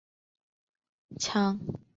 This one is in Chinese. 羌人首领柯吾趁机反抗曹魏。